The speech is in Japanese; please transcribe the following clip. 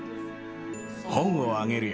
本をあげるよ。